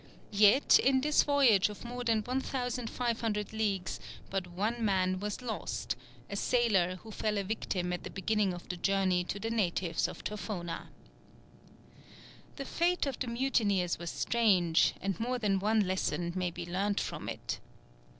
Yet in this voyage of more than 1500 leagues but one man was lost, a sailor who fell a victim at the beginning of the journey to the natives of Tofona. The fate of the mutineers was strange, and more than one lesson may be learnt from it.